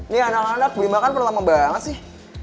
nih anak anak beli makan perlu lama banget sih